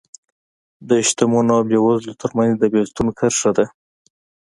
د شتمنو او بېوزلو ترمنځ د بېلتون کرښه ده